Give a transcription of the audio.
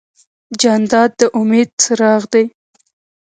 جانداد د امید څراغ دی.